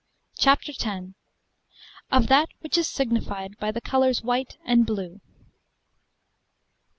Chapter 1.X. Of that which is signified by the colours white and blue.